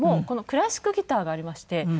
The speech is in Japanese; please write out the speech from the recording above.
このクラシックギターがありまして。